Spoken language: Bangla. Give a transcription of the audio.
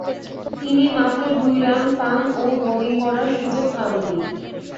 তিনি মাত্র দুই রান পান ও বোলিং করার সুযোগ পাননি।